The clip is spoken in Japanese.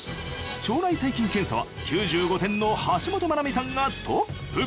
腸内細菌検査は９５点の橋本マナミさんがトップ。